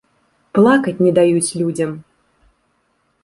Плакаць не даюць людзям!